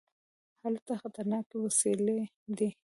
هلته خطرناکې وسلې دي.